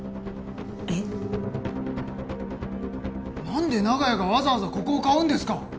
なんで長屋がわざわざここを買うんですか！？